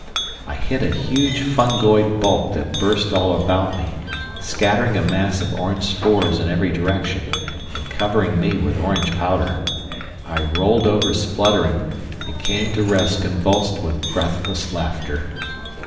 I hit a huge fungoid bulk that burst all about me, scattering a mass of orange spores in every direction, and covering me with orange powder. I rolled over spluttering, and came to rest convulsed with breathless laughter.